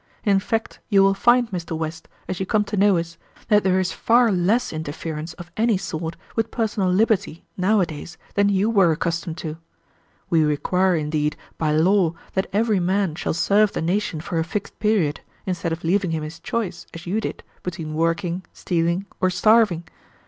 In fact, you will find, Mr. West, as you come to know us, that there is far less interference of any sort with personal liberty nowadays than you were accustomed to. We require, indeed, by law that every man shall serve the nation for a fixed period, instead of leaving him his choice, as you did, between working, stealing, or starving.